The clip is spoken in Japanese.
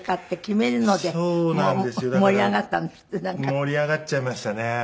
盛り上がっちゃいましたね。